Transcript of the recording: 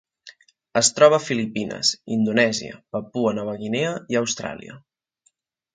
Es troba a Filipines, Indonèsia, Papua Nova Guinea i Austràlia.